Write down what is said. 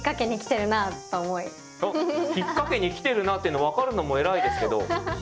ひっかけにきてるなっての分かるのも偉いですけど。